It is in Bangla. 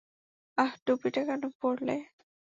আহ, টুপিটা কেন পরলে?